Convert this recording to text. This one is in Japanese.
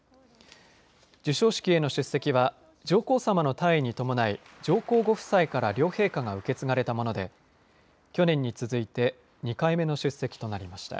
授賞式への出席は上皇さまの退位に伴い上皇ご夫妻から両陛下が受け継がれたもので去年に続いて２回目の出席となりました。